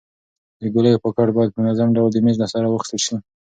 د ګولیو پاکټ باید په منظم ډول د میز له سره واخیستل شي.